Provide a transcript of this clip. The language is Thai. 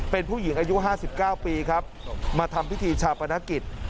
เป็นผู้หญิงอายุ๕๙ปีครับมาทำพิธีชาปนกิจ